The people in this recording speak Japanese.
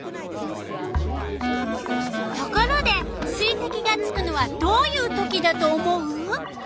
ところで水てきがつくのはどういうときだと思う？